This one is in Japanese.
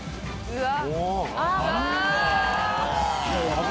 うわ！